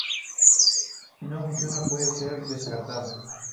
Si no funciona, puede ser descartado'".